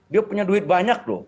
dia punya duit banyak loh